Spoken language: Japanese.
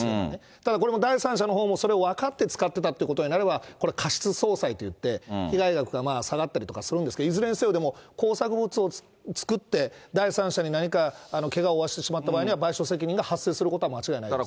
ただ、これ第三者のほうも分かって使ってたってことになれば、これは過失相殺といって、被害額は下がったりとかするんですけれども、いずれにせよ、でも、工作物を作って、第三者に何かけがを負わせてしまった場合には、賠償責任が発生することは間違いないです。